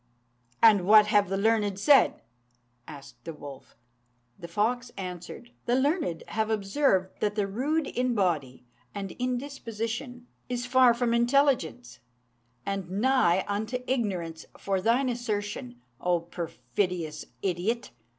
"And what have the learned said?" asked the wolf. The fox answered, "The learned have observed that the rude in body and in disposition is far from intelligence, and nigh unto ignorance; for thine assertion, O perfidious idiot!